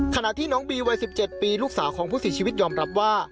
ขณะที่น้องบีวัย๑๗ปีลูกสาวของผู้เสียชีวิตยอมรับว่า